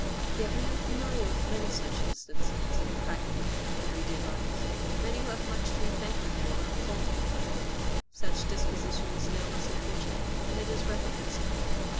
Yet we are familiar with many such instances in practical, every day life. Many who have much to be thankful for are full of complaint. Such disposition is no less unfortunate than it is reprehensible.